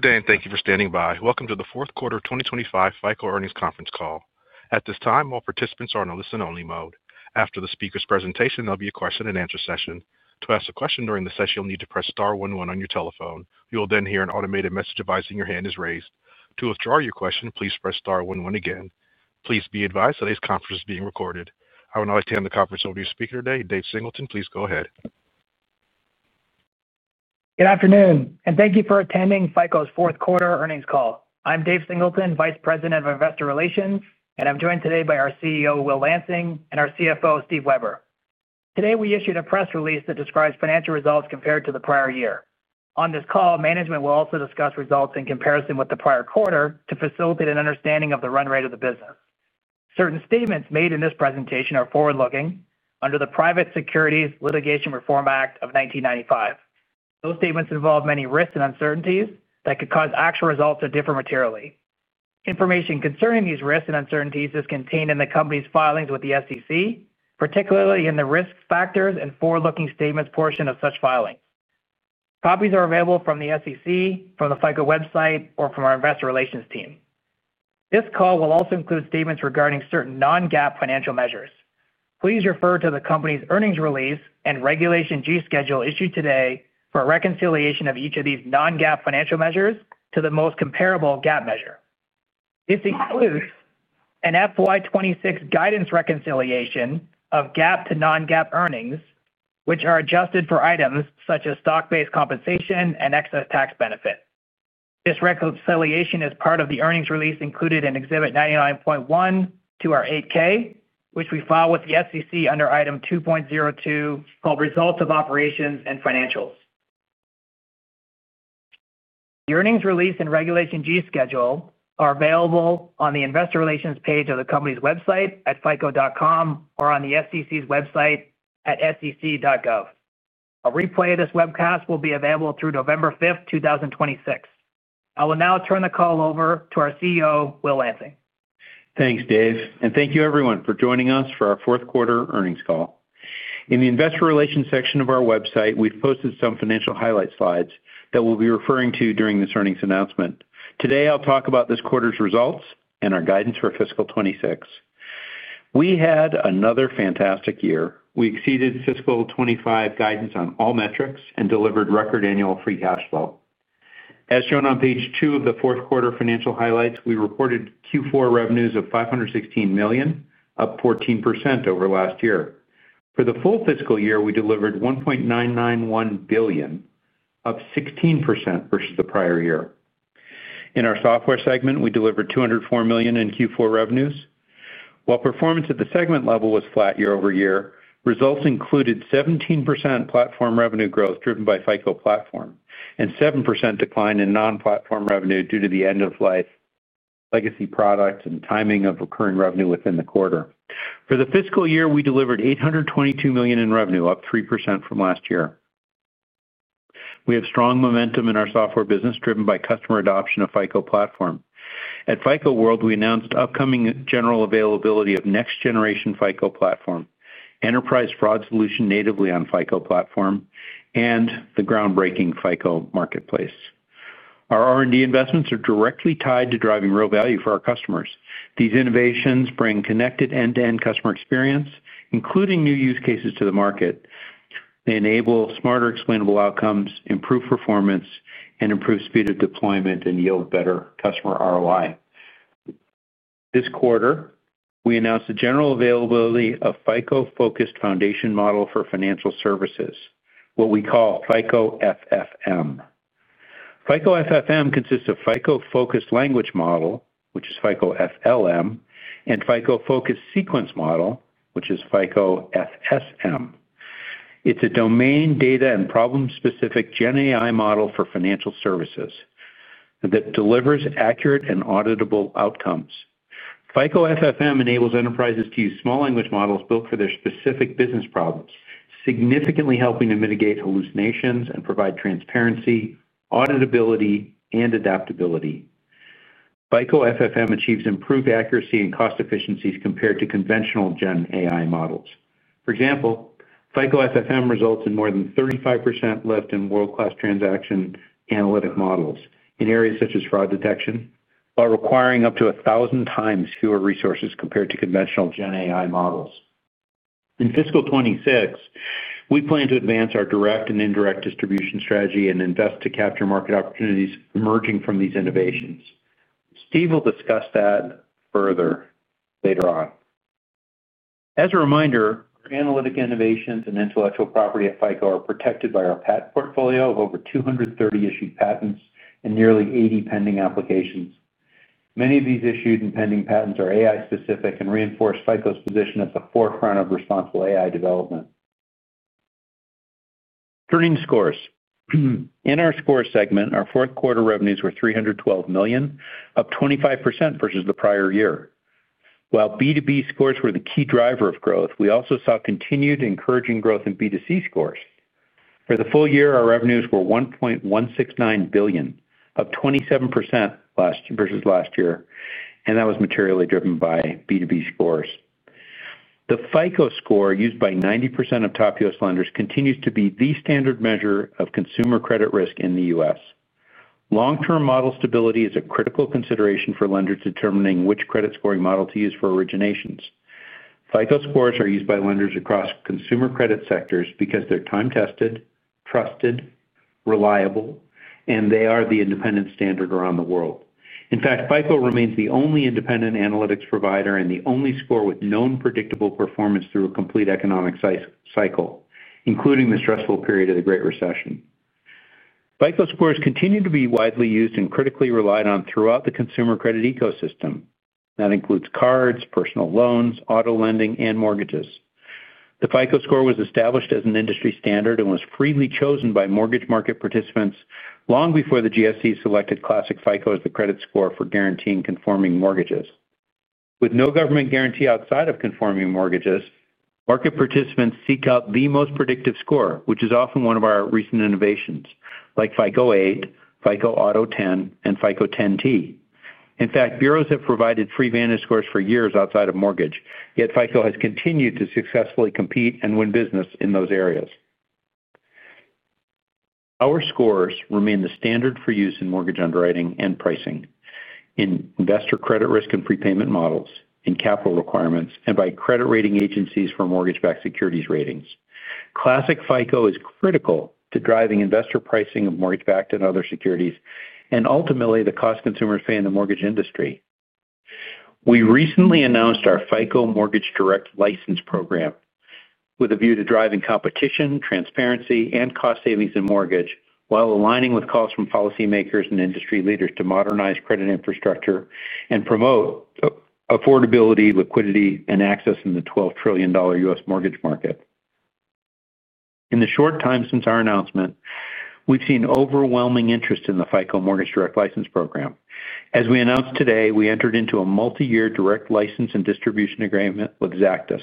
Good day, and thank you for standing by. Welcome to the fourth quarter 2025 FICO earnings conference call. At this time, all participants are in a listen-only mode. After the speaker's presentation, there'll be a question-and-answer session. To ask a question during the session, you'll need to press star one one on your telephone. You will then hear an automated message advising your hand is raised. To withdraw your question, please press star one one again. Please be advised today's conference is being recorded. I would now like to hand the conference over to your speaker today, Dave Singleton. Please go ahead. Good afternoon, and thank you for attending FICO's fourth quarter earnings call. I'm Dave Singleton, Vice President of Investor Relations, and I'm joined today by our CEO, Will Lansing, and our CFO, Steve Weber. Today, we issued a press release that describes financial results compared to the prior year. On this call, management will also discuss results in comparison with the prior quarter to facilitate an understanding of the run rate of the business. Certain statements made in this presentation are forward-looking under the Private Securities Litigation Reform Act of 1995. Those statements involve many risks and uncertainties that could cause actual results that differ materially. Information concerning these risks and uncertainties is contained in the company's filings with the SEC, particularly in the risk factors and forward-looking statements portion of such filings. Copies are available from the SEC, from the FICO website, or from our investor relations team. This call will also include statements regarding certain non-GAAP financial measures. Please refer to the company's earnings release and Regulation G schedule issued today for reconciliation of each of these non-GAAP financial measures to the most comparable GAAP measure. This includes an FY 2026 guidance reconciliation of GAAP to non-GAAP earnings, which are adjusted for items such as stock-based compensation and excess tax benefit. This reconciliation is part of the earnings release included in Exhibit 99.1 to our 8-K, which we file with the SEC under item 2.02 called Results of Operations and Financials. The earnings release and Regulation G schedule are available on the Investor Relations page of the company's website at fico.com or on the SEC's website at sec.gov. A replay of this webcast will be available through November 5th, 2026. I will now turn the call over to our CEO, Will Lansing. Thanks, Dave, and thank you everyone for joining us for our fourth quarter earnings call. In the Investor Relations section of our website, we've posted some financial highlight slides that we'll be referring to during this earnings announcement. Today, I'll talk about this quarter's results and our guidance for fiscal 2026. We had another fantastic year. We exceeded fiscal 2025 guidance on all metrics and delivered record annual free cash flow. As shown on page two of the fourth quarter financial highlights, we reported Q4 revenues of $516 million, up 14% over last year. For the full fiscal year, we delivered $1.991 billion, up 16% versus the prior year. In our software segment, we delivered $204 million in Q4 revenues. While performance at the segment level was flat year-over-year, results included 17% platform revenue growth driven by FICO Platform and 7% decline in non-platform revenue due to the end-of-life legacy products and timing of recurring revenue within the quarter. For the fiscal year, we delivered $822 million in revenue, up 3% from last year. We have strong momentum in our software business driven by customer adoption of FICO Platform. At FICO World, we announced upcoming general availability of next-generation FICO Platform, enterprise fraud solution natively on FICO Platform, and the groundbreaking FICO Marketplace. Our R&D investments are directly tied to driving real value for our customers. These innovations bring connected end-to-end customer experience, including new use cases to the market. They enable smarter explainable outcomes, improve performance, and improve speed of deployment and yield better customer ROI. This quarter, we announced the general availability of FICO-focused foundation model for financial services, what we call FICO FFM. FICO FFM consists of FICO-focused language model, which is FICO FLM, and FICO-focused sequence model, which is FICO FSM. It is a domain data and problem-specific GenAI model for financial services. That delivers accurate and auditable outcomes. FICO FFM enables enterprises to use small language models built for their specific business problems, significantly helping to mitigate hallucinations and provide transparency, auditability, and adaptability. FICO FFM achieves improved accuracy and cost efficiencies compared to conventional GenAI models. For example, FICO FFM results in more than 35% lift in world-class transaction analytic models in areas such as fraud detection while requiring up to 1,000x fewer resources compared to conventional GenAI models. In fiscal 2026, we plan to advance our direct and indirect distribution strategy and invest to capture market opportunities emerging from these innovations. Steve will discuss that further later on. As a reminder, our analytic innovations and intellectual property at FICO are protected by our patent portfolio of over 230 issued patents and nearly 80 pending applications. Many of these issued and pending patents are AI-specific and reinforce FICO's position at the forefront of responsible AI development. Turning to scores. In our scores segment, our fourth quarter revenues were $312 million, up 25% versus the prior year. While B2B scores were the key driver of growth, we also saw continued encouraging growth in B2C scores. For the full year, our revenues were $1.169 billion, up 27% versus last year, and that was materially driven by B2B scores. The FICO Score, used by 90% of top U.S.lenders, continues to be the standard measure of consumer credit risk in the U.S. Long-term model stability is a critical consideration for lenders determining which credit scoring model to use for originations. FICO scores are used by lenders across consumer credit sectors because they're time-tested, trusted, reliable, and they are the independent standard around the world. In fact, FICO remains the only independent analytics provider and the only score with known predictable performance through a complete economic cycle, including the stressful period of the Great Recession. FICO scores continue to be widely used and critically relied on throughout the consumer credit ecosystem. That includes cards, personal loans, auto lending, and mortgages. The FICO score was established as an industry standard and was freely chosen by mortgage market participants long before the GSE selected Classic FICO as the credit score for guaranteeing conforming mortgages. With no government guarantee outside of conforming mortgages, market participants seek out the most predictive score, which is often one of our recent innovations, like FICO 8, FICO Auto 10, and FICO 10T. In fact, bureaus have provided free VantageScores for years outside of mortgage. Yet FICO has continued to successfully compete and win business in those areas. Our scores remain the standard for use in mortgage underwriting and pricing, in investor credit risk and prepayment models, in capital requirements, and by credit rating agencies for mortgage-backed securities ratings. Classic FICO is critical to driving investor pricing of mortgage-backed and other securities and ultimately the cost consumers pay in the mortgage industry. We recently announced our FICO Mortgage Direct License Program, with a view to driving competition, transparency, and cost savings in mortgage while aligning with calls from policymakers and industry leaders to modernize credit infrastructure and promote affordability, liquidity, and access in the $12 trillion U.S. mortgage market. In the short time since our announcement, we've seen overwhelming interest in the FICO Mortgage Direct License Program. As we announced today, we entered into a multi-year direct license and distribution agreement with Zactus,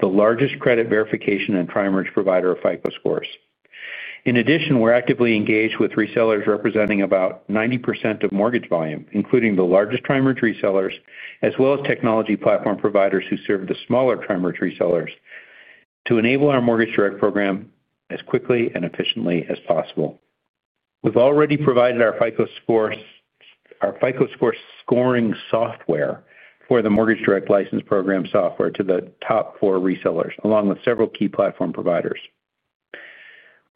the largest credit verification and trimerge provider of FICO scores. In addition, we're actively engaged with resellers representing about 90% of mortgage volume, including the largest trimerge resellers as well as technology platform providers who serve the smaller trimerge resellers to enable our mortgage direct program as quickly and efficiently as possible. We've already provided our FICO score scoring software for the Mortgage Direct License Program software to the top four resellers along with several key platform providers.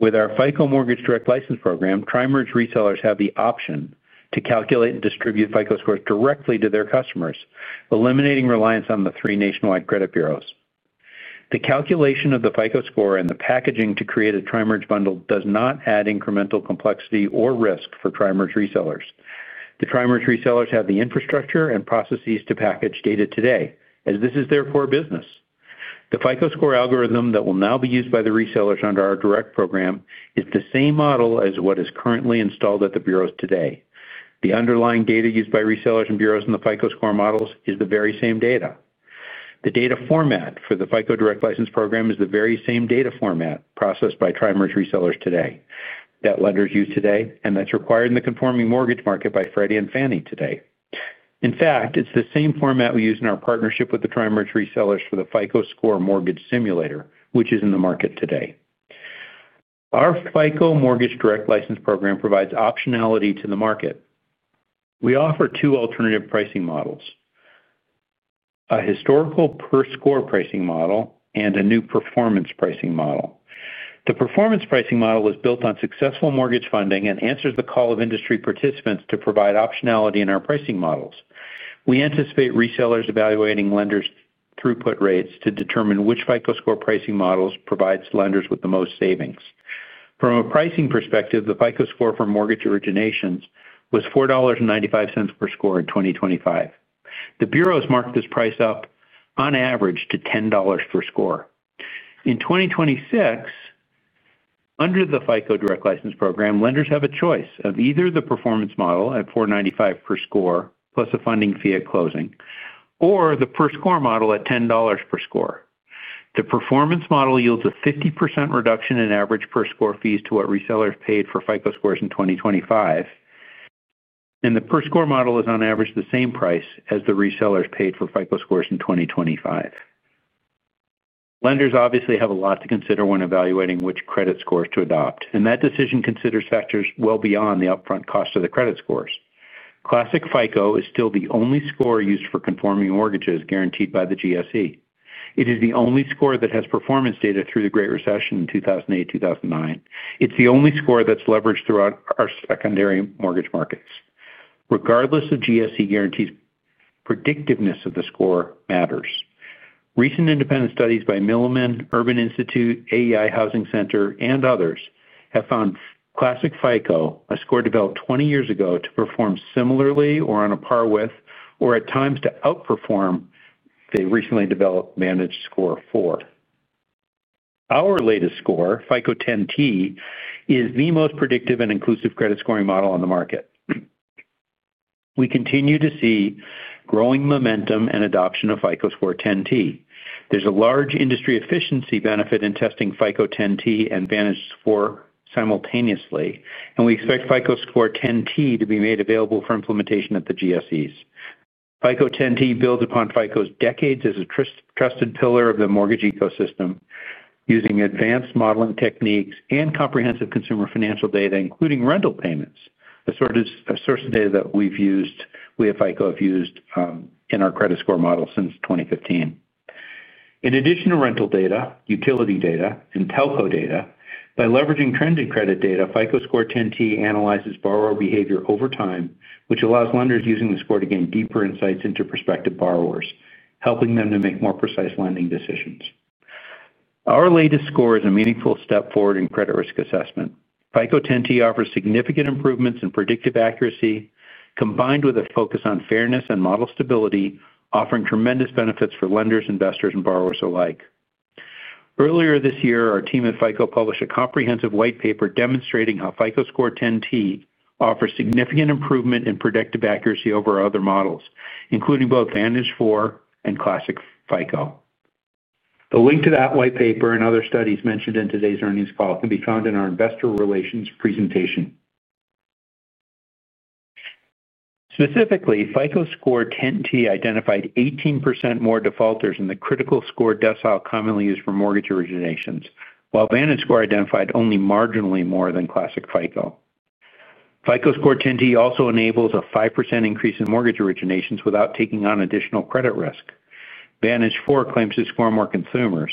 With our FICO Mortgage Direct License Program, trimerge resellers have the option to calculate and distribute FICO scores directly to their customers, eliminating reliance on the three nationwide credit bureaus. The calculation of the FICO score and the packaging to create a trimerge bundle does not add incremental complexity or risk for trimerge resellers. The trimerge resellers have the infrastructure and processes to package data today, as this is their core business. The FICO score algorithm that will now be used by the resellers under our direct program is the same model as what is currently installed at the bureaus today. The underlying data used by resellers and bureaus in the FICO score models is the very same data. The data format for the FICO Mortgage Direct License Program is the very same data format processed by trimerge resellers today that lenders use today, and that's required in the conforming mortgage market by Freddie Mac and Fannie Mae today. In fact, it's the same format we use in our partnership with the trimerge resellers for the FICO Score Mortgage Simulator, which is in the market today. Our FICO Mortgage Direct License Program provides optionality to the market. We offer two alternative pricing models. A historical per-score pricing model and a new performance pricing model. The performance pricing model is built on successful mortgage funding and answers the call of industry participants to provide optionality in our pricing models. We anticipate resellers evaluating lenders' throughput rates to determine which FICO Score pricing models provide lenders with the most savings. From a pricing perspective, the FICO Score for mortgage originations was $4.95 per score in 2025. The bureaus marked this price up on average to $10 per score. In 2026, under the FICO Direct License Program, lenders have a choice of either the performance model at $4.95 per score plus a funding fee at closing or the per-score model at $10 per score. The performance model yields a 50% reduction in average per-score fees to what resellers paid for FICO Scores in 2025. The per-score model is on average the same price as the resellers paid for FICO Scores in 2025. Lenders obviously have a lot to consider when evaluating which credit scores to adopt, and that decision considers factors well beyond the upfront cost of the credit scores. Classic FICO is still the only score used for conforming mortgages guaranteed by the GSE. It is the only score that has performance data through the Great Recession in 2008-2009. It's the only score that's leveraged throughout our secondary mortgage markets. Regardless of GSE guarantees, predictiveness of the score matters. Recent independent studies by Milliman, Urban Institute, AEI Housing Center, and others have found Classic FICO, a score developed 20 years ago, to perform similarly or on a par with, or at times to outperform, the recently developed Managed Score 4. Our latest score, FICO 10T, is the most predictive and inclusive credit scoring model on the market. We continue to see growing momentum and adoption of FICO Score 10T. There's a large industry efficiency benefit in testing FICO 10T and Managed Score simultaneously, and we expect FICO Score 10T to be made available for implementation at the GSEs. FICO 10T builds upon FICO's decades as a trusted pillar of the mortgage ecosystem using advanced modeling techniques and comprehensive consumer financial data, including rental payments, a source of data that we at FICO have used in our credit score model since 2015. In addition to rental data, utility data, and telco data, by leveraging trending credit data, FICO Score 10T analyzes borrower behavior over time, which allows lenders using the score to gain deeper insights into prospective borrowers, helping them to make more precise lending decisions. Our latest score is a meaningful step forward in credit risk assessment. FICO 10T offers significant improvements in predictive accuracy combined with a focus on fairness and model stability, offering tremendous benefits for lenders, investors, and borrowers alike. Earlier this year, our team at FICO published a comprehensive white paper demonstrating how FICO Score 10T offers significant improvement in predictive accuracy over other models, including both Managed Score and Classic FICO. The link to that white paper and other studies mentioned in today's earnings call can be found in our investor relations presentation. Specifically, FICO Score 10T identified 18% more defaulters in the critical score decile commonly used for mortgage originations, while Managed Score identified only marginally more than Classic FICO. FICO Score 10T also enables a 5% increase in mortgage originations without taking on additional credit risk. Managed Score claims to score more consumers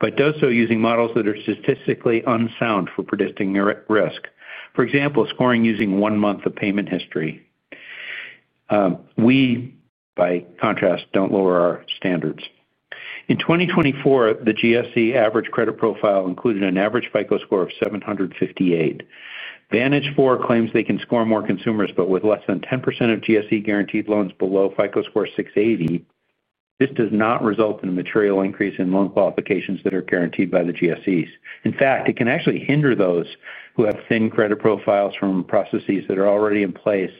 but does so using models that are statistically unsound for predicting risk. For example, scoring using one month of payment history. We, by contrast, do not lower our standards. In 2024, the GSE average credit profile included an average FICO Score of 758. Managed Score claims they can score more consumers but with less than 10% of GSE guaranteed loans below FICO Score 680. This does not result in a material increase in loan qualifications that are guaranteed by the GSEs. In fact, it can actually hinder those who have thin credit profiles from processes that are already in place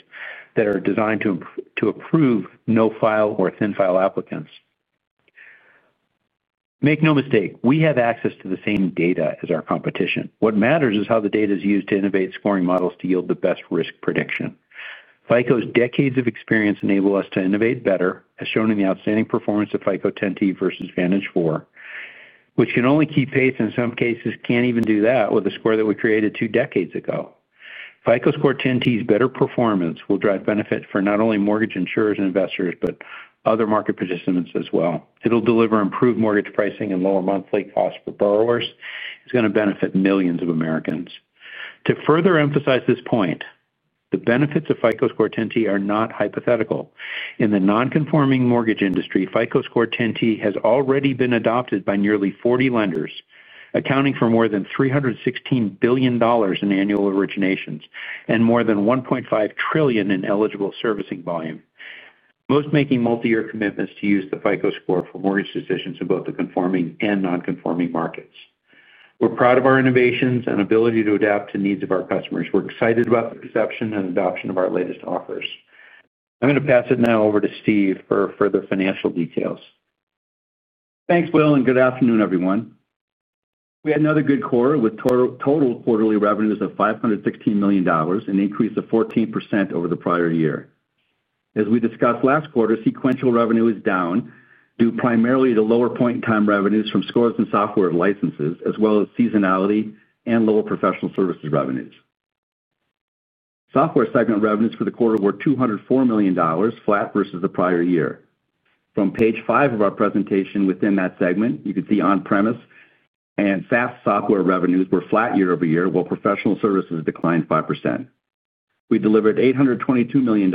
that are designed to approve no-file or thin-file applicants. Make no mistake, we have access to the same data as our competition. What matters is how the data is used to innovate scoring models to yield the best risk prediction. FICO's decades of experience enable us to innovate better, as shown in the outstanding performance of FICO 10T versus Managed Score, which can only keep pace and in some cases cannot even do that with a score that we created two decades ago. FICO Score 10T's better performance will drive benefit for not only mortgage insurers and investors but other market participants as well. It'll deliver improved mortgage pricing and lower monthly costs for borrowers. It's going to benefit millions of Americans. To further emphasize this point, the benefits of FICO Score 10T are not hypothetical. In the non-conforming mortgage industry, FICO Score 10T has already been adopted by nearly 40 lenders, accounting for more than $316 billion in annual originations and more than $1.5 trillion in eligible servicing volume, most making multi-year commitments to use the FICO Score for mortgage decisions in both the conforming and non-conforming markets. We're proud of our innovations and ability to adapt to needs of our customers. We're excited about the perception and adoption of our latest offers. I'm going to pass it now over to Steve for further financial details. Thanks, Will, and good afternoon, everyone. We had another good quarter with total quarterly revenues of $516 million, an increase of 14% over the prior year. As we discussed last quarter, sequential revenue is down due primarily to lower point-in-time revenues from scores and software licenses, as well as seasonality and lower professional services revenues. Software segment revenues for the quarter were $204 million, flat versus the prior year. From page five of our presentation within that segment, you can see on-premise and SaaS software revenues were flat year-over-year, while professional services declined 5%. We delivered $822 million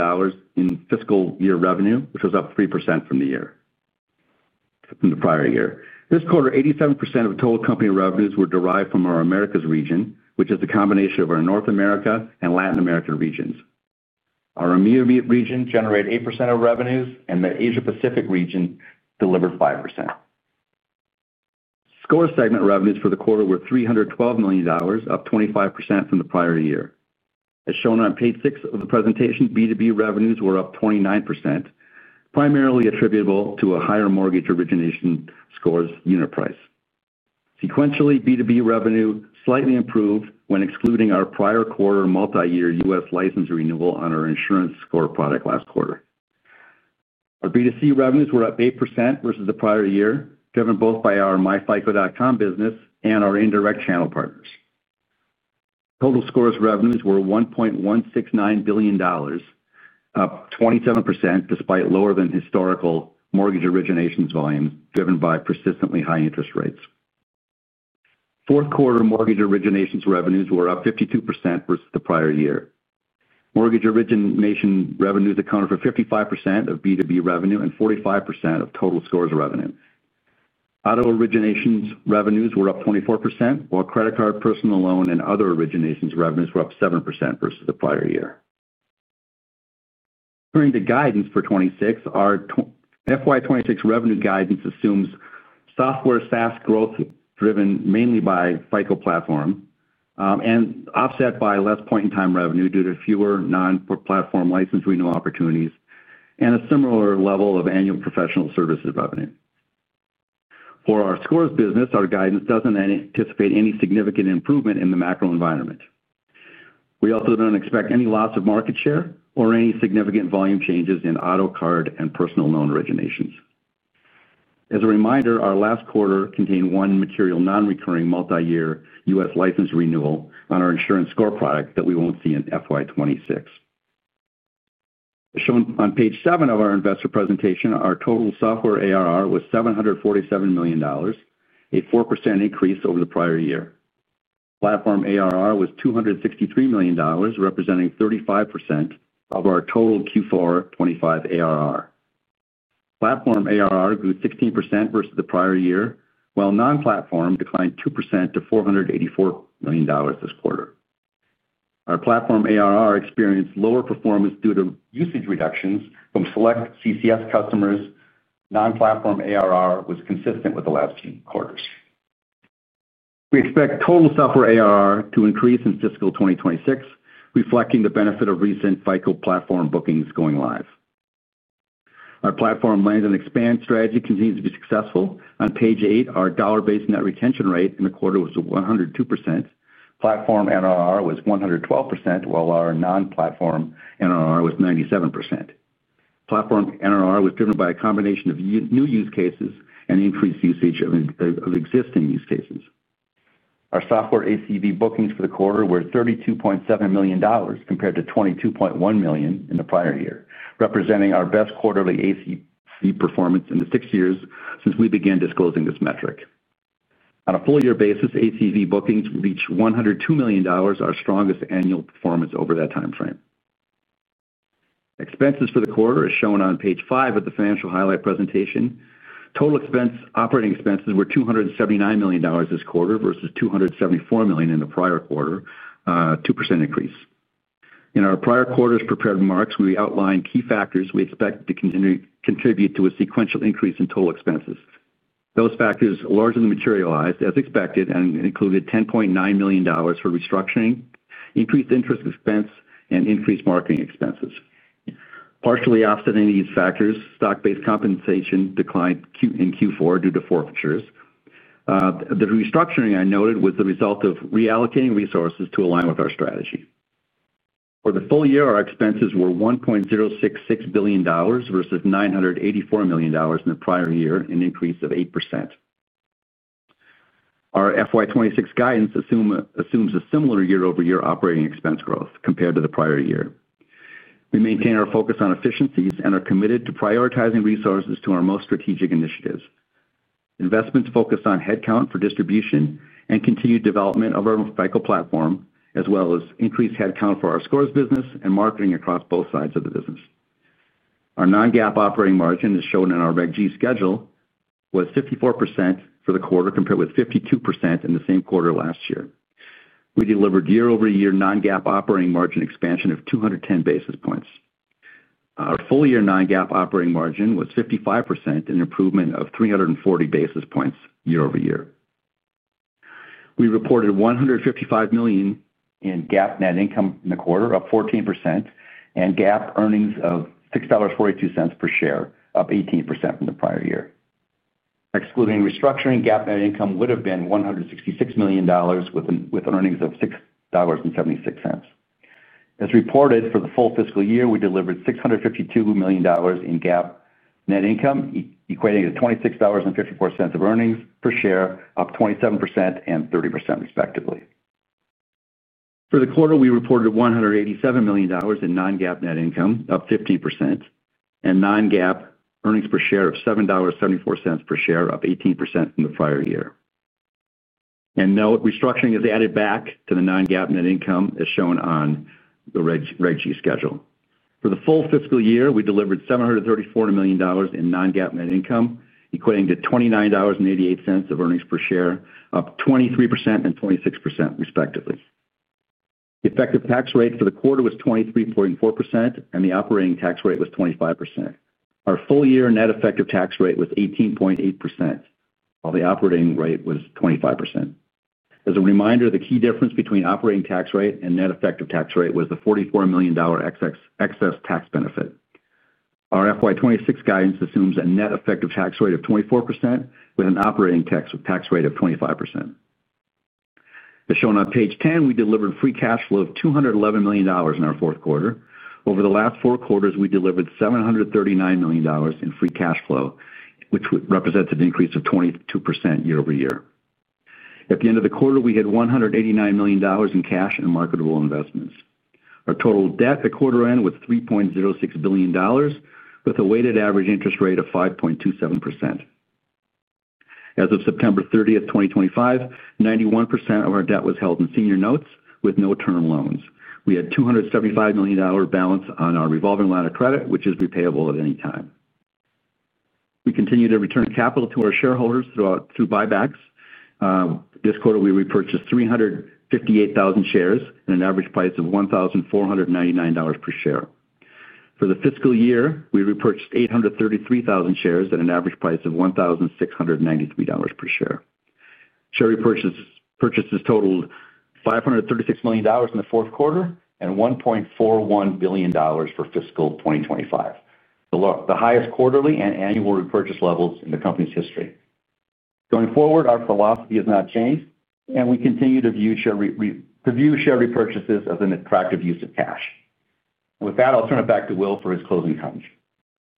in fiscal year revenue, which was up 3% from the prior year. This quarter, 87% of total company revenues were derived from our Americas region, which is a combination of our North America and Latin America regions. Our EMEA region generated 8% of revenues, and the Asia-Pacific region delivered 5%. Score segment revenues for the quarter were $312 million, up 25% from the prior year. As shown on page six of the presentation, B2B revenues were up 29%, primarily attributable to a higher mortgage origination scores unit price. Sequentially, B2B revenue slightly improved when excluding our prior quarter multi-year U.S. license renewal on our insurance score product last quarter. Our B2C revenues were up 8% versus the prior year, driven both by our myfico.com business and our indirect channel partners. Total scores revenues were $1.169 billion, up 27%, despite lower than historical mortgage originations volumes driven by persistently high interest rates. Fourth quarter mortgage originations revenues were up 52% versus the prior year. Mortgage origination revenues accounted for 55% of B2B revenue and 45% of total scores revenue. Auto originations revenues were up 24%, while credit card, personal loan, and other originations revenues were up 7% versus the prior year. According to guidance for 2026, our FY 2026 revenue guidance assumes software SaaS growth driven mainly by FICO Platform, offset by less point-in-time revenue due to fewer non-platform license renewal opportunities and a similar level of annual professional services revenue. For our Scores business, our guidance does not anticipate any significant improvement in the macro environment. We also do not expect any loss of market share or any significant volume changes in auto, card, and personal loan originations. As a reminder, our last quarter contained one material non-recurring multi-year U.S. license renewal on our insurance score product that we will not see in FY 2026. As shown on page seven of our investor presentation, our total software ARR was $747 million, a 4% increase over the prior year. Platform ARR was $263 million, representing 35% of our total Q4 2025 ARR. Platform ARR grew 16% versus the prior year, while non-platform declined 2% to $484 million this quarter. Our platform ARR experienced lower performance due to usage reductions from select CCS customers. Non-platform ARR was consistent with the last few quarters. We expect total software ARR to increase in fiscal 2026, reflecting the benefit of recent FICO Platform bookings going live. Our platform lend and expand strategy continues to be successful. On page eight, our dollar-based net retention rate in the quarter was 102%. Platform NRR was 112%, while our non-platform NRR was 97%. Platform NRR was driven by a combination of new use cases and increased usage of existing use cases. Our software ACV bookings for the quarter were $32.7 million compared to $22.1 million in the prior year, representing our best quarterly ACV performance in the six years since we began disclosing this metric. On a full-year basis, ACV bookings reached $102 million, our strongest annual performance over that timeframe. Expenses for the quarter, as shown on page five of the financial highlight presentation, total operating expenses were $279 million this quarter versus $274 million in the prior quarter, a 2% increase. In our prior quarter's prepared remarks, we outlined key factors we expect to contribute to a sequential increase in total expenses. Those factors largely materialized, as expected, and included $10.9 million for restructuring, increased interest expense, and increased marketing expenses. Partially offsetting these factors, stock-based compensation declined in Q4 due to forfeitures. The restructuring I noted was the result of reallocating resources to align with our strategy. For the full year, our expenses were $1.066 billion versus $984 million in the prior year, an increase of 8%. Our FY 2026 guidance assumes a similar year-over-year operating expense growth compared to the prior year. We maintain our focus on efficiencies and are committed to prioritizing resources to our most strategic initiatives. Investments focus on headcount for distribution and continued development of our FICO Platform, as well as increased headcount for our Scores business and marketing across both sides of the business. Our non-GAAP operating margin, as shown in our Reg G schedule, was 54% for the quarter compared with 52% in the same quarter last year. We delivered year-over-year non-GAAP operating margin expansion of 210 basis points. Our full-year non-GAAP operating margin was 55%, an improvement of 340 basis points year-over-year. We reported $155 million in GAAP net income in the quarter, up 14%, and GAAP earnings of $6.42 per share, up 18% from the prior year. Excluding restructuring, GAAP net income would have been $166 million with earnings of $6.76. As reported for the full fiscal year, we delivered $652 million in GAAP net income, equating to $26.54 of earnings per share, up 27% and 30%, respectively. For the quarter, we reported $187 million in non-GAAP net income, up 15%, and non-GAAP earnings per share of $7.74 per share, up 18% from the prior year. Note, restructuring is added back to the non-GAAP net income, as shown on the Reg G schedule. For the full fiscal year, we delivered $734 million in non-GAAP net income, equating to $29.88 of earnings per share, up 23% and 26%, respectively. The effective tax rate for the quarter was 23.4%, and the operating tax rate was 25%. Our full-year net effective tax rate was 18.8%, while the operating rate was 25%. As a reminder, the key difference between operating tax rate and net effective tax rate was the $44 million excess tax benefit. Our FY 2026 guidance assumes a net effective tax rate of 24% with an operating tax rate of 25%. As shown on page 10, we delivered free cash flow of $211 million in our fourth quarter. Over the last four quarters, we delivered $739 million in free cash flow, which represents an increase of 22% year-over-year. At the end of the quarter, we had $189 million in cash and marketable investments. Our total debt at quarter end was $3.06 billion, with a weighted average interest rate of 5.27%. As of September 30th, 2025, 91% of our debt was held in senior notes with no term loans. We had a $275 million balance on our revolving line of credit, which is repayable at any time. We continued to return capital to our shareholders through buybacks. This quarter, we repurchased 358,000 shares at an average price of $1,499 per share. For the fiscal year, we repurchased 833,000 shares at an average price of $1,693 per share. Share repurchases totaled $536 million in the fourth quarter and $1.41 billion for fiscal 2025, the highest quarterly and annual repurchase levels in the company's history. Going forward, our philosophy has not changed, and we continue to view share repurchases as an attractive use of cash. With that, I'll turn it back to Will for his closing comments.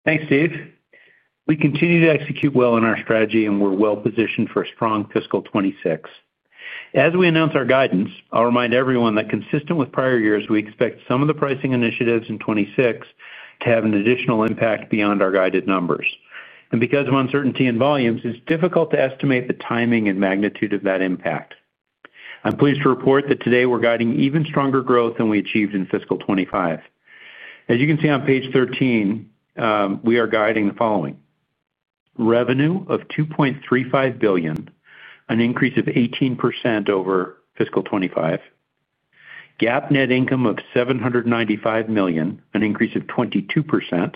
Thanks, Steve. We continue to execute well on our strategy, and we're well-positioned for a strong fiscal 2026. As we announce our guidance, I'll remind everyone that, consistent with prior years, we expect some of the pricing initiatives in 2026 to have an additional impact beyond our guided numbers. Because of uncertainty in volumes, it's difficult to estimate the timing and magnitude of that impact. I'm pleased to report that today we're guiding even stronger growth than we achieved in fiscal 2025. As you can see on page 13, we are guiding the following. Revenue of $2.35 billion, an increase of 18% over fiscal 2025. GAAP net income of $795 million, an increase of 22%.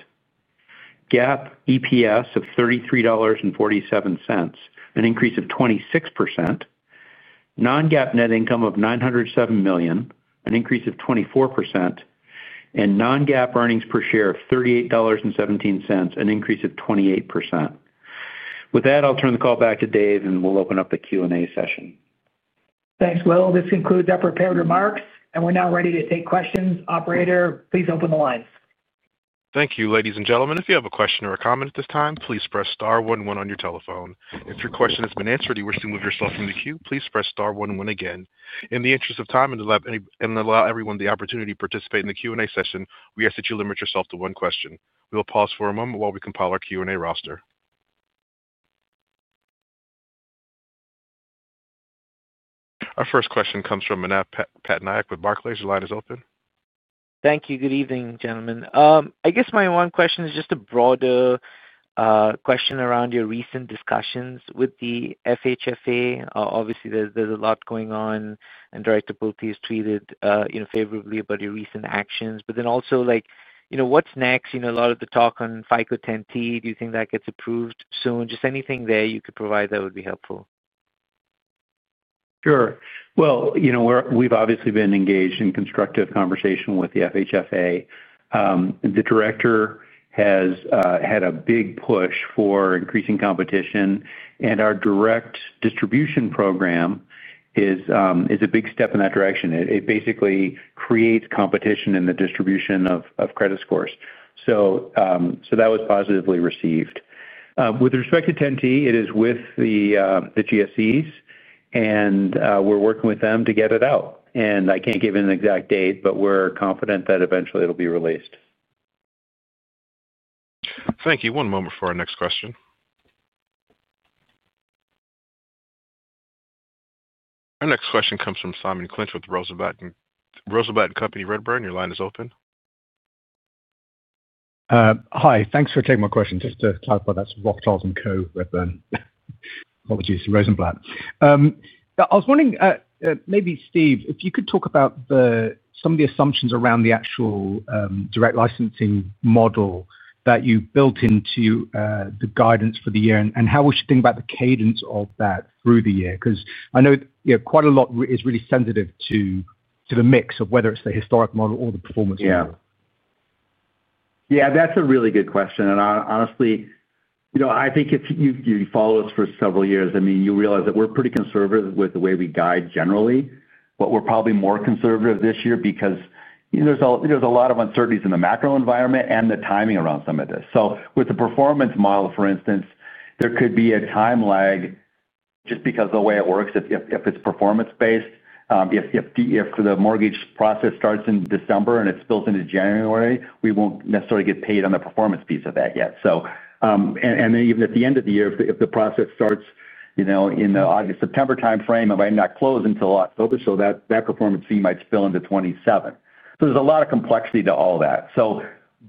GAAP EPS of $33.47, an increase of 26%. Non-GAAP net income of $907 million, an increase of 24%. And non-GAAP earnings per share of $38.17, an increase of 28%. With that, I'll turn the call back to Dave, and we'll open up the Q&A session. Thanks, Will. This concludes our prepared remarks, and we're now ready to take questions. Operator, please open the lines. Thank you, ladies and gentlemen. If you have a question or a comment at this time, please press star one one on your telephone. If your question has been answered and you wish to move yourself from the queue, please press star one one again. In the interest of time and to allow everyone the opportunity to participate in the Q&A session, we ask that you limit yourself to one question. We will pause for a moment while we compile our Q&A roster. Our first question comes from Manav Patnaik with Barclays. Your line is open. Thank you. Good evening, gentlemen. I guess my one question is just a broader question around your recent discussions with the FHFA. Obviously, there is a lot going on, and Director Pulte has tweeted favorably about your recent actions. Also, what is next? A lot of the talk on FICO 10T. Do you think that gets approved soon? Just anything there you could provide that would be helpful. Sure. We've obviously been engaged in constructive conversation with the FHFA. The director has had a big push for increasing competition, and our direct distribution program is a big step in that direction. It basically creates competition in the distribution of credit scores. That was positively received. With respect to 10T, it is with the GSEs, and we're working with them to get it out. I can't give an exact date, but we're confident that eventually it'll be released. Thank you. One moment for our next question. Our next question comes from Simon Clinch with Rosenblatt. Rothschild & Co Redburn, your line is open. Hi. Thanks for taking my question. Just to clarify, that's Rothschild & Co Redburn. Apologies. Rosenblatt. I was wondering, maybe, Steve, if you could talk about some of the assumptions around the actual direct licensing model that you built into the guidance for the year and how we should think about the cadence of that through the year. Because I know quite a lot is really sensitive to the mix of whether it's the historic model or the performance model. Yeah. Yeah, that's a really good question. And honestly, I think if you follow us for several years, I mean, you realize that we're pretty conservative with the way we guide generally, but we're probably more conservative this year because there's a lot of uncertainties in the macro environment and the timing around some of this. With the performance model, for instance, there could be a time lag, just because of the way it works. If it's performance-based, if the mortgage process starts in December and it spills into January, we won't necessarily get paid on the performance piece of that yet. Even at the end of the year, if the process starts in the August-September timeframe, it might not close until October. That performance fee might spill into 2027. There is a lot of complexity to all that.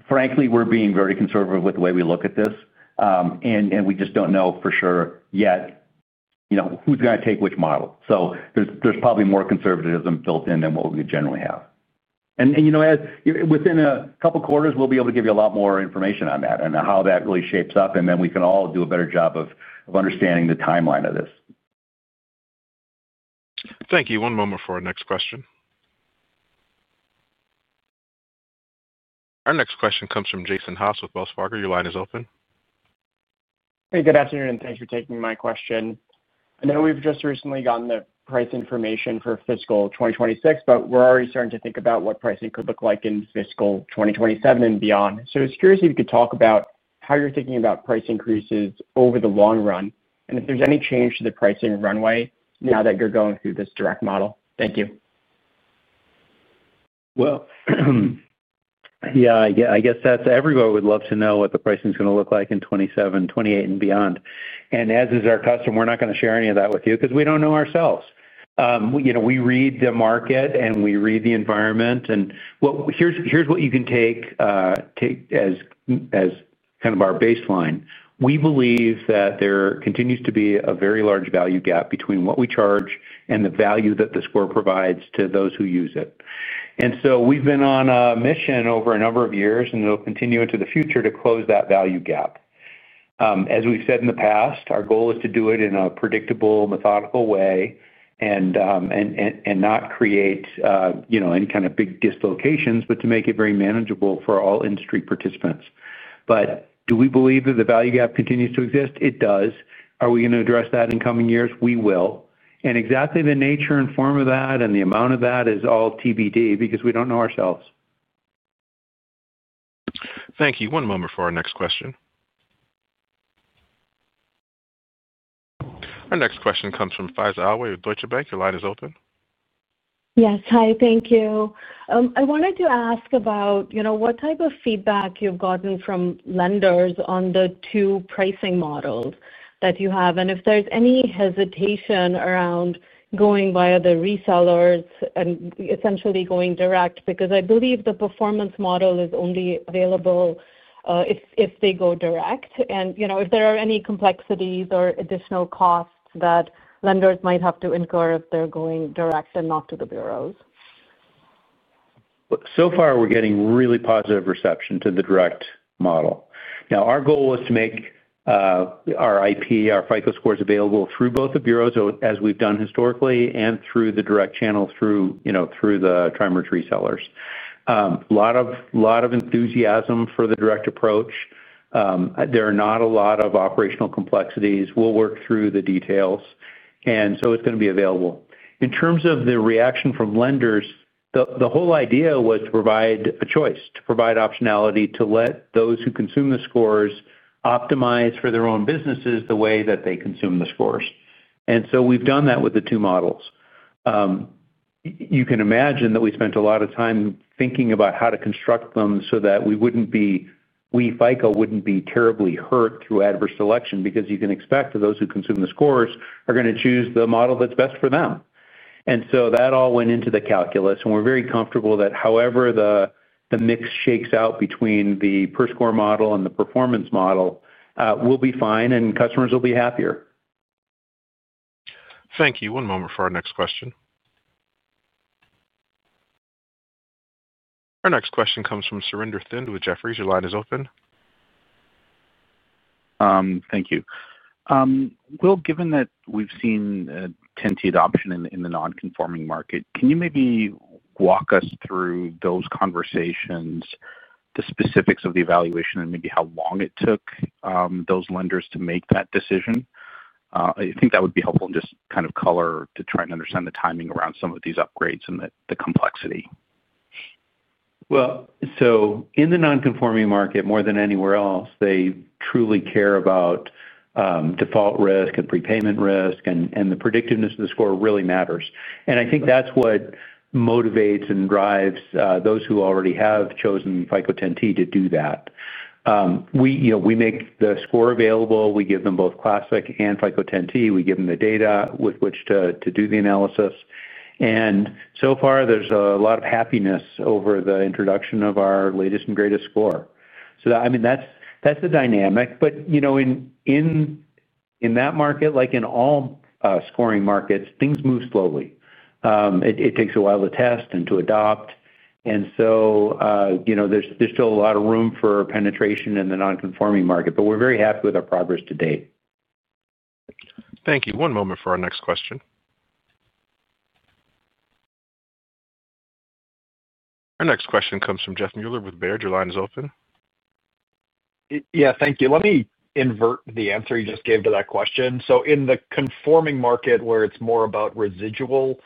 Frankly, we're being very conservative with the way we look at this, and we just don't know for sure yet who's going to take which model. There is probably more conservatism built in than what we generally have. Within a couple of quarters, we'll be able to give you a lot more information on that and how that really shapes up, and then we can all do a better job of understanding the timeline of this. Thank you. One moment for our next question. Our next question comes from Jason Haas with Wells Fargo. Your line is open. Hey, good afternoon, and thanks for taking my question. I know we have just recently gotten the price information for fiscal 2026, but we are already starting to think about what pricing could look like in fiscal 2027 and beyond. I was curious if you could talk about how you are thinking about price increases over the long run and if there is any change to the pricing runway now that you are going through this direct model. Thank you. Yeah, I guess everyone would love to know what the pricing is going to look like in 2027, 2028, and beyond. As is our custom, we are not going to share any of that with you because we do not know ourselves. We read the market, and we read the environment. Here is what you can take as kind of our baseline. We believe that there continues to be a very large value gap between what we charge and the value that the score provides to those who use it. We have been on a mission over a number of years, and it will continue into the future to close that value gap. As we have said in the past, our goal is to do it in a predictable, methodical way and not create any kind of big dislocations, but to make it very manageable for all industry participants. Do we believe that the value gap continues to exist? It does. Are we going to address that in coming years? We will. Exactly the nature and form of that and the amount of that is all TBD because we do not know ourselves. Thank you. One moment for our next question. Our next question comes from Faisal with Deutsche Bank. Your line is open. Yes. Hi. Thank you. I wanted to ask about what type of feedback you've gotten from lenders on the two pricing models that you have, and if there's any hesitation around going via the resellers and essentially going direct, because I believe the performance model is only available if they go direct. And if there are any complexities or additional costs that lenders might have to incur if they're going direct and not to the bureaus. So far, we're getting really positive reception to the direct model. Now, our goal is to make our IP, our FICO Scores, available through both the bureaus, as we've done historically, and through the direct channel through the trimerge resellers. A lot of enthusiasm for the direct approach. There are not a lot of operational complexities. We'll work through the details. It is going to be available. In terms of the reaction from lenders, the whole idea was to provide a choice, to provide optionality to let those who consume the scores optimize for their own businesses the way that they consume the scores. We have done that with the two models. You can imagine that we spent a lot of time thinking about how to construct them so that we would not be—we FICO would not be terribly hurt through adverse selection because you can expect that those who consume the scores are going to choose the model that is best for them. That all went into the calculus, and we are very comfortable that however the mix shakes out between the per-score model and the performance model will be fine, and customers will be happier. Thank you. One moment for our next question. Our next question comes from Surinder Thind with Jefferies. Your line is open. Thank you. Will, given that we've seen 10T adoption in the non-conforming market, can you maybe walk us through those conversations. The specifics of the evaluation and maybe how long it took those lenders to make that decision? I think that would be helpful and just kind of color to try and understand the timing around some of these upgrades and the complexity. In the non-conforming market, more than anywhere else, they truly care about default risk and prepayment risk, and the predictiveness of the score really matters. I think that's what motivates and drives those who already have chosen FICO 10T to do that. We make the score available. We give them both Classic and FICO 10T. We give them the data with which to do the analysis. So far, there's a lot of happiness over the introduction of our latest and greatest score. I mean, that's the dynamic. In that market, like in all scoring markets, things move slowly. It takes a while to test and to adopt. There's still a lot of room for penetration in the non-conforming market, but we're very happy with our progress to date. Thank you. One moment for our next question. Our next question comes from Jeff Meuler with Baird. Your line is open. Yeah. Thank you. Let me invert the answer you just gave to that question. In the conforming market, where it's more about residual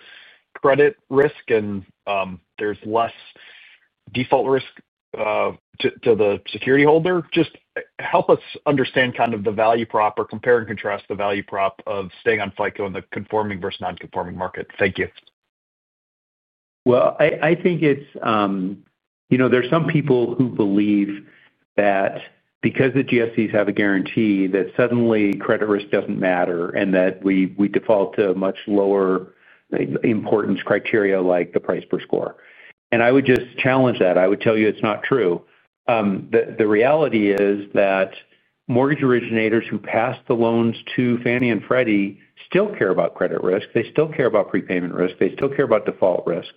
credit risk and there's less default risk to the security holder, just help us understand kind of the value prop or compare and contrast the value prop of staying on FICO in the conforming versus non-conforming market. Thank you. I think it's. There are some people who believe that because the GSEs have a guarantee that suddenly credit risk does not matter and that we default to a much lower importance criteria like the price per score. I would just challenge that. I would tell you it is not true. The reality is that mortgage originators who pass the loans to Fannie and Freddie still care about credit risk. They still care about prepayment risk. They still care about default risk.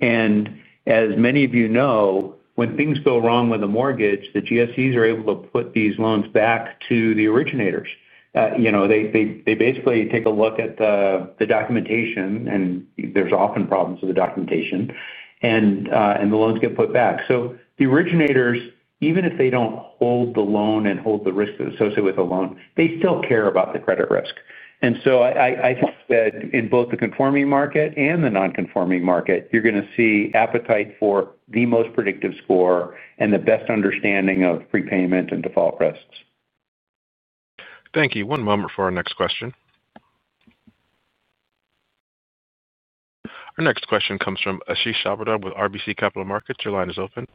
As many of you know, when things go wrong with a mortgage, the GSEs are able to put these loans back to the originators. They basically take a look at the documentation, and there are often problems with the documentation, and the loans get put back. The originators, even if they do not hold the loan and hold the risk associated with the loan, they still care about the credit risk. I think that in both the conforming market and the non-conforming market, you are going to see appetite for the most predictive score and the best understanding of prepayment and default risks. Thank you. One moment for our next question. Our next question comes from Ashish Sabadra with RBC Capital Markets. Your line is open.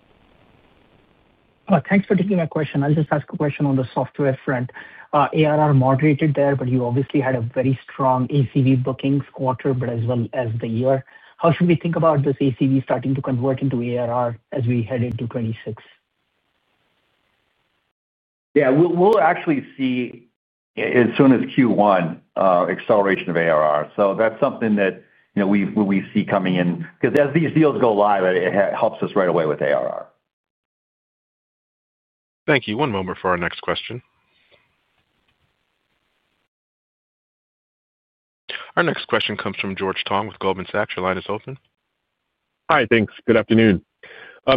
Thanks for taking my question. I will just ask a question on the software front. ARR moderated there, but you obviously had a very strong ACV bookings quarter, but as well as the year. How should we think about this ACV starting to convert into ARR as we head into 2026? Yeah. We will actually see, as soon as Q1, acceleration of ARR. That is something that we see coming in because as these deals go live, it helps us right away with ARR Thank you. One moment for our next question. Our next question comes from George Tong with Goldman Sachs. Your line is open. Hi. Thanks. Good afternoon.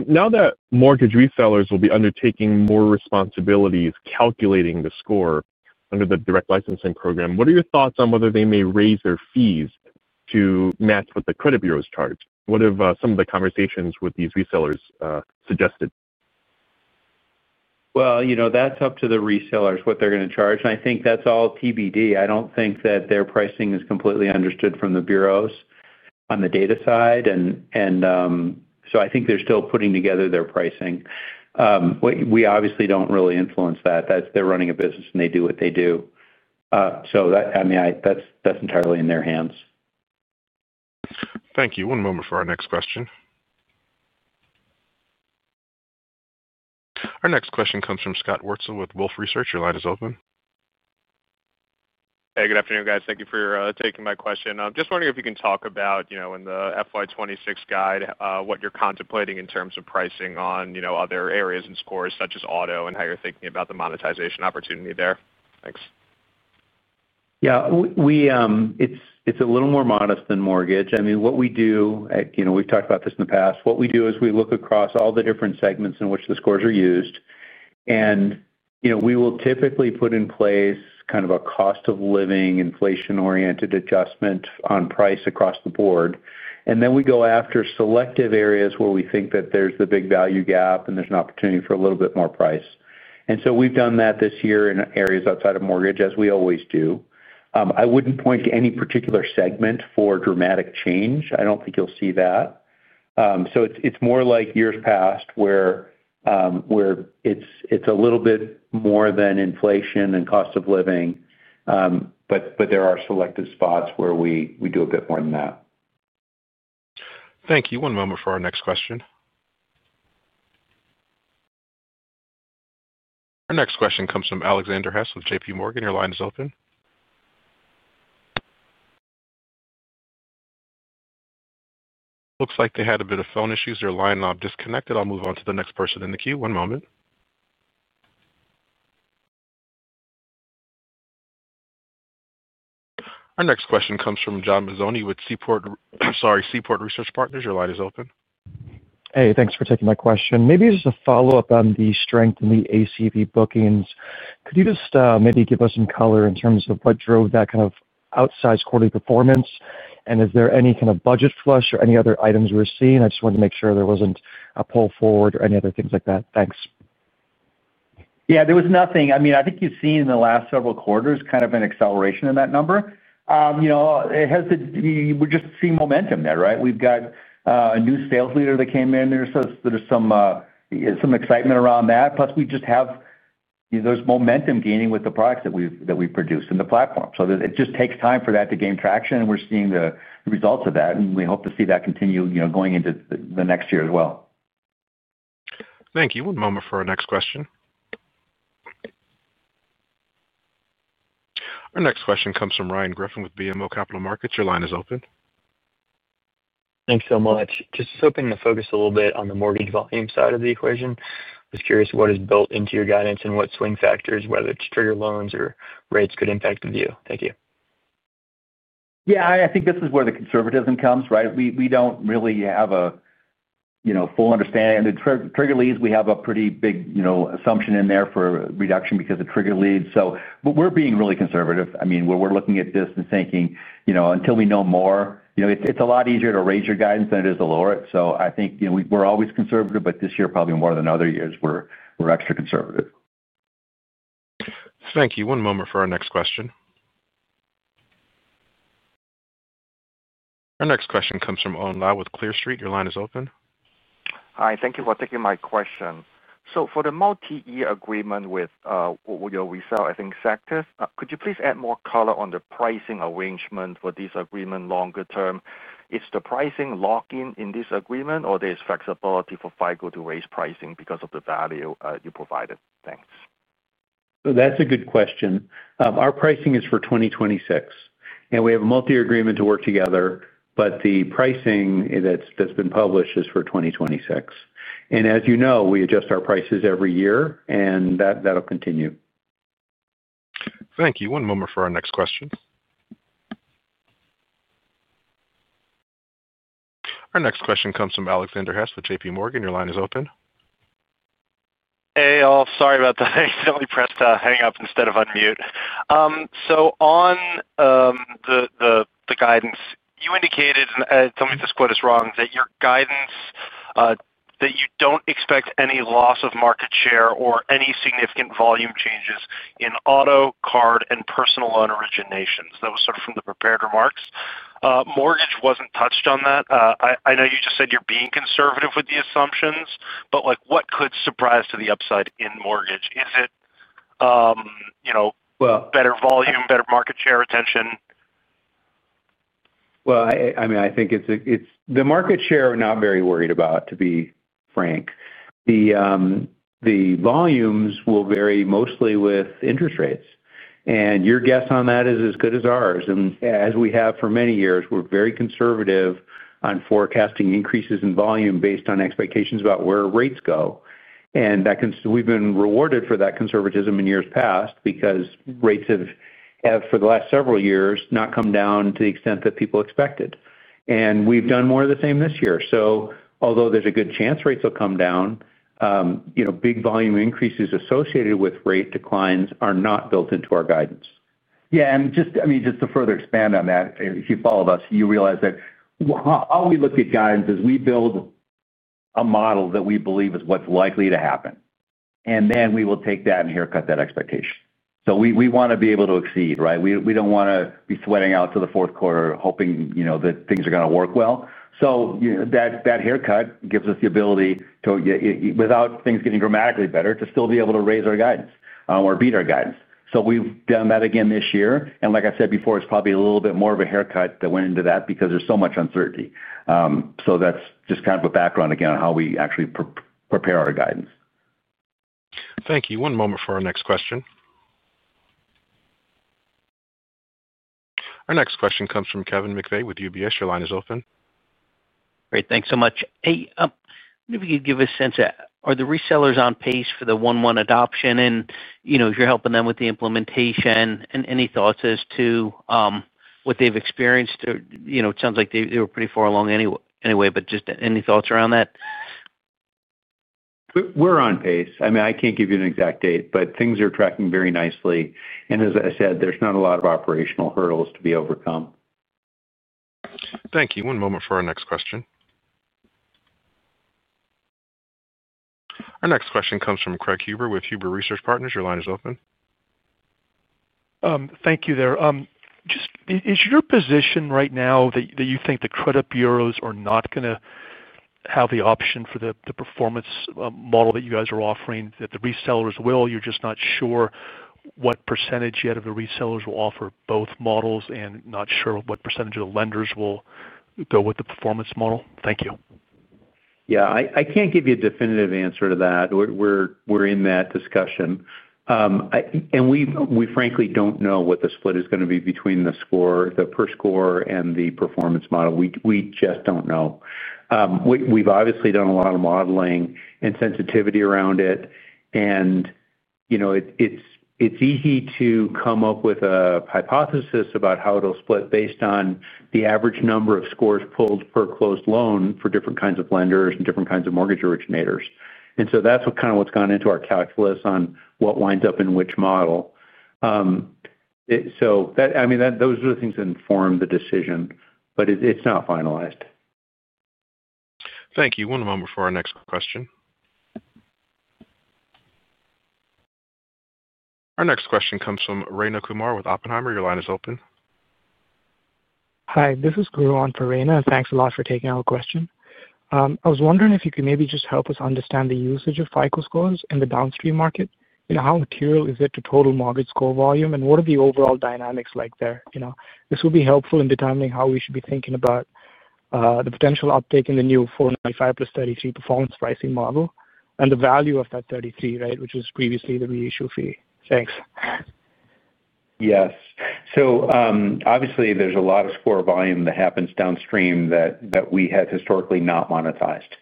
Now that mortgage resellers will be undertaking more responsibilities calculating the score under the direct licensing program, what are your thoughts on whether they may raise their fees to match what the credit bureaus charge? What have some of the conversations with these resellers suggested? That is up to the resellers what they are going to charge. I think that is all TBD. I do not think that their pricing is completely understood from the bureaus on the data side. I think they are still putting together their pricing. We obviously do not really influence that. They are running a business, and they do what they do. I mean, that's entirely in their hands. Thank you. One moment for our next question. Our next question comes from Scott Wurtzel with Wolfe Research. Your line is open. Hey, good afternoon, guys. Thank you for taking my question. I'm just wondering if you can talk about, in the FY 2026 guide, what you're contemplating in terms of pricing on other areas and scores, such as auto, and how you're thinking about the monetization opportunity there. Thanks. Yeah. It's a little more modest than mortgage. I mean, what we do—we've talked about this in the past—what we do is we look across all the different segments in which the scores are used. And we will typically put in place kind of a cost-of-living, inflation-oriented adjustment on price across the board. We go after selective areas where we think that there's the big value gap and there's an opportunity for a little bit more price. We have done that this year in areas outside of mortgage, as we always do. I would not point to any particular segment for dramatic change. I do not think you will see that. It is more like years past where it is a little bit more than inflation and cost of living. There are selective spots where we do a bit more than that. Thank you. One moment for our next question. Our next question comes from Alexander Hess with JPMorgan. Your line is open. Looks like they had a bit of phone issues. Their line is disconnected. I will move on to the next person in the queue. One moment. Our next question comes from John Mazzoni with Seaport, sorry, Seaport Research Partners. Your line is open. Hey, thanks for taking my question. Maybe just a follow-up on the strength in the ACV bookings. Could you just maybe give us some color in terms of what drove that kind of outsized quarterly performance? Is there any kind of budget flush or any other items we are seeing? I just wanted to make sure there was not a pull forward or any other things like that. Thanks. Yeah. There was nothing. I mean, I think you have seen in the last several quarters kind of an acceleration in that number. We are just seeing momentum there, right? We have got a new sales leader that came in. There is some excitement around that. Plus, we just have those momentum gaining with the products that we have produced in the platform. It just takes time for that to gain traction, and we are seeing the results of that. We hope to see that continue going into the next year as well. Thank you. One moment for our next question. Our next question comes from Ryan Griffin with BMO Capital Markets. Your line is open. Thanks so much. Just hoping to focus a little bit on the mortgage volume side of the equation. I was curious what is built into your guidance and what swing factors, whether it's trigger loans or rates, could impact the view. Thank you. Yeah. I think this is where the conservatism comes, right? We do not really have a full understanding. The trigger leads, we have a pretty big assumption in there for reduction because of trigger leads. But we are being really conservative. I mean, we are looking at this and thinking until we know more, it is a lot easier to raise your guidance than it is to lower it. I think we're always conservative, but this year, probably more than other years, we're extra conservative. Thank you. One moment for our next question. Our next question comes from Owen Lau with Clear Street. Your line is open. Hi. Thank you for taking my question. For the multi-year agreement with your reseller, I think, Zactus, could you please add more color on the pricing arrangement for this agreement longer term? Is the pricing locked in in this agreement, or there's flexibility for FICO to raise pricing because of the value you provided? Thanks. That's a good question. Our pricing is for 2026. We have a multi-year agreement to work together, but the pricing that's been published is for 2026. As you know, we adjust our prices every year, and that'll continue. Thank you. One moment for our next question. Our next question comes from Alexander Hess with JPMorgan. Your line is open. Hey. Sorry about that. I accidentally pressed hang up instead of unmute. On the guidance, you indicated—and tell me if this quote is wrong—that your guidance, that you don't expect any loss of market share or any significant volume changes in auto, card, and personal loan originations. That was sort of from the prepared remarks. Mortgage wasn't touched on that. I know you just said you're being conservative with the assumptions, but what could surprise to the upside in mortgage? Is it better volume, better market share retention? I mean, I think it's the market share I'm not very worried about, to be frank. The volumes will vary mostly with interest rates. And your guess on that is as good as ours. As we have for many years, we're very conservative on forecasting increases in volume based on expectations about where rates go. We've been rewarded for that conservatism in years past because rates have, for the last several years, not come down to the extent that people expected. We've done more of the same this year. Although there's a good chance rates will come down, big volume increases associated with rate declines are not built into our guidance. Yeah. I mean, just to further expand on that, if you follow us, you realize that all we look at guidance is we build a model that we believe is what's likely to happen. Then we will take that and haircut that expectation. We want to be able to exceed, right? We do not want to be sweating out to the fourth quarter hoping that things are going to work well. That haircut gives us the ability to, without things getting dramatically better, to still be able to raise our guidance or beat our guidance. We have done that again this year. Like I said before, it is probably a little bit more of a haircut that went into that because there is so much uncertainty. That is just kind of a background, again, on how we actually prepare our guidance. Thank you. One moment for our next question. Our next question comes from Kevin McVeigh with UBS. Your line is open. Great. Thanks so much. Hey, maybe you could give a sense of are the resellers on pace for the 1-1 adoption? If you are helping them with the implementation, any thoughts as to what they have experienced? It sounds like they were pretty far along anyway, but just any thoughts around that? We're on pace. I mean, I can't give you an exact date, but things are tracking very nicely. As I said, there's not a lot of operational hurdles to be overcome. Thank you. One moment for our next question. Our next question comes from Craig Huber with Huber Research Partners. Your line is open. Thank you there. Is your position right now that you think the credit bureaus are not going to have the option for the performance model that you guys are offering, that the resellers will? You're just not sure what percentage yet of the resellers will offer both models and not sure what percentage of the lenders will go with the performance model? Thank you. Yeah. I can't give you a definitive answer to that. We're in that discussion. We, frankly, do not know what the split is going to be between the per score and the performance model. We just do not know. We have obviously done a lot of modeling and sensitivity around it. It is easy to come up with a hypothesis about how it will split based on the average number of scores pulled per closed loan for different kinds of lenders and different kinds of mortgage originators. That is kind of what has gone into our calculus on what winds up in which model. I mean, those are the things that inform the decision, but it is not finalized. Thank you. One moment for our next question. Our next question comes from Rayna Kumar with Oppenheimer. Your line is open. Hi. This is Guru on for Rayna. Thanks a lot for taking our question. I was wondering if you could maybe just help us understand the usage of FICO Scores in the downstream market. How material is it to total mortgage score volume? What are the overall dynamics like there? This will be helpful in determining how we should be thinking about the potential uptake in the new $495+$33 performance pricing model and the value of that $33, right, which was previously the reissue fee. Thanks. Yes. Obviously, there's a lot of score volume that happens downstream that we have historically not monetized.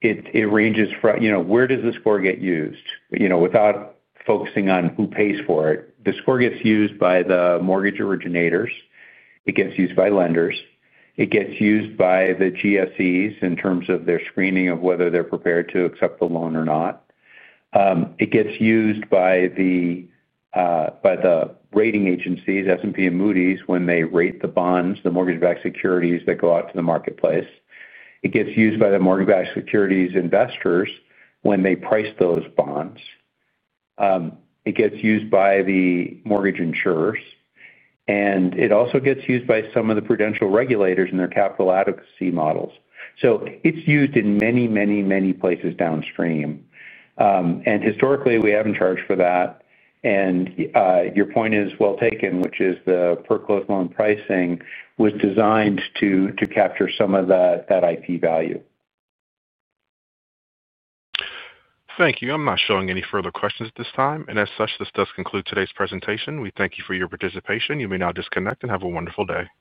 It ranges from where does the score get used? Without focusing on who pays for it, the score gets used by the mortgage originators. It gets used by lenders. It gets used by the GSEs in terms of their screening of whether they're prepared to accept the loan or not. It gets used by the. Rating agencies, S&P and Moody's, when they rate the bonds, the mortgage-backed securities that go out to the marketplace. It gets used by the mortgage-backed securities investors when they price those bonds. It gets used by the mortgage insurers. It also gets used by some of the prudential regulators in their capital adequacy models. It is used in many, many, many places downstream. Historically, we have not charged for that. Your point is well taken, which is the per closed loan pricing was designed to capture some of that IP value. Thank you. I am not showing any further questions at this time. As such, this does conclude today's presentation. We thank you for your participation. You may now disconnect and have a wonderful day.